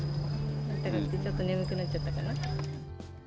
あったかくて、ちょっと眠くなっちゃったかな？